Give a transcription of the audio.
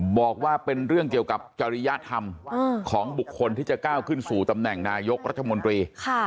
บอกว่าเป็นเรื่องเกี่ยวกับจริยธรรมของบุคคลที่จะก้าวขึ้นสู่ตำแหน่งนายกรัฐมนตรี